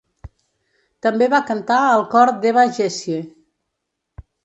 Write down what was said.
També va cantar al cor d'Eva Jessye.